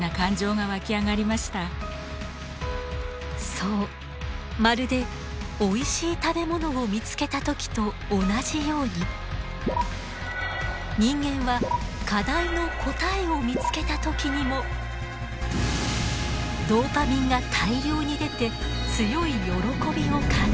そうまるでおいしい食べ物を見つけた時と同じように人間は課題の答えを見つけた時にもドーパミンが大量に出て強い喜びを感じる。